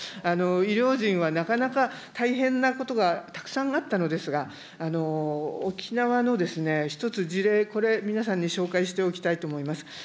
医療人はなかなか大変なことがたくさんあったのですが、沖縄の一つ、事例、これ皆さんに紹介しておきたいと思います。